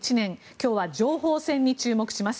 今日は情報戦に注目します。